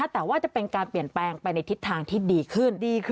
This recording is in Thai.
แต่ว่าจะเป็นการเปลี่ยนแปลงไปในทิศทางที่ดีขึ้น